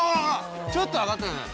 ちょっと上がったよね。